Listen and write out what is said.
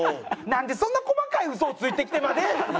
なんでそんな細かい嘘をついてきてまで。